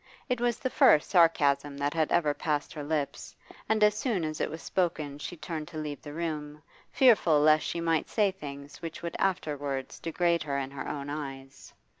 It was the first sarcasm that had ever passed her lips, and as soon as it was spoken she turned to leave the room, fearful lest she might say things which would afterwards degrade her in her own eyes.